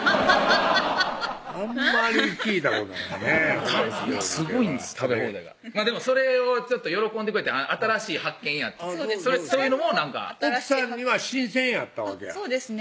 あんまり聞いたことないねフランス料理ではでもそれを喜んでくれて「新しい発見や」ってそういうのもなんか奥さんには新鮮やったわけやそうですね